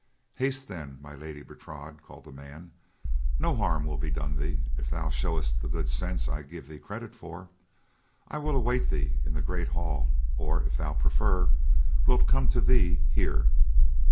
"Haste then, My Lady Bertrade," called the man, "no harm will be done thee if thou showest the good sense I give thee credit for. I will await thee in the great hall, or, if thou prefer, will come to thee here."